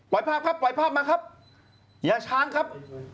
ปล่อยภาพปล่อยภาพมาครับ